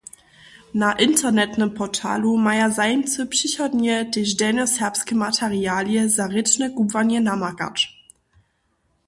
Na internetnym portalu maja zajimcy přichodnje tež delnjoserbske materialije za rěčne kubłanje namakać.